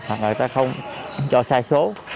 hoặc là người ta không cho sai số